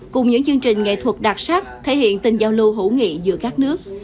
cùng những chương trình nghệ thuật đặc sắc thể hiện tình giao lưu hữu nghị giữa các nước